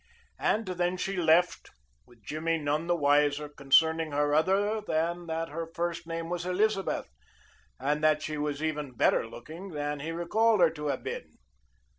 And then she left, with Jimmy none the wiser concerning her other than that her first name was Elizabeth and that she was even better looking than he recalled her to have been.